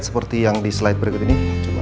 seperti yang di slide berikut ini